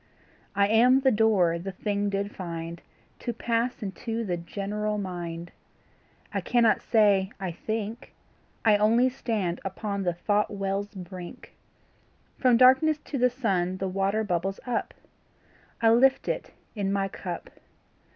I am the door the thing did find To pass into the general mind; I cannot say I think I only stand upon the thought well's brink; From darkness to the sun the water bubbles up I lift it in my cup.